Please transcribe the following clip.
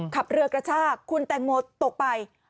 ขับเรือกระชากคุณแตงโมตกไป